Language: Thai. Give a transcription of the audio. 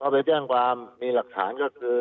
ไปแจ้งความมีหลักฐานก็คือ